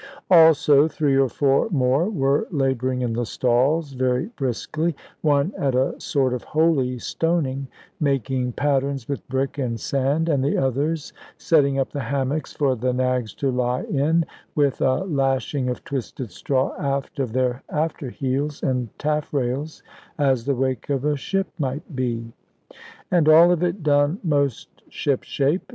Also three or four more were labouring in the stalls very briskly, one at a sort of holy stoning, making patterns with brick and sand, and the others setting up the hammocks for the nags to lie in, with a lashing of twisted straw aft of their after heels and taffrails, as the wake of a ship might be. And all of it done most ship shape.